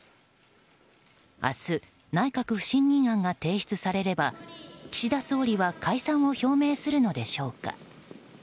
明日、内閣不信任案が提出されれば岸田総理は解散を表明するのでしょうか。